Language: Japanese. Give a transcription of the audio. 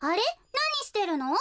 なにしてるの？